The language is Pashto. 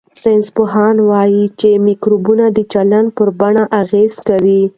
ساینسپوهان وايي چې مایکروبونه د چلند پر بڼې اغېز کوي.